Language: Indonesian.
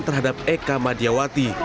terhadap eka madiawati